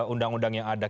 undang undang yang ada